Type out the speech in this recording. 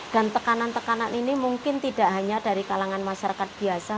dan tekanan tekanan ini mungkin tidak hanya dari kalangan masyarakat biasa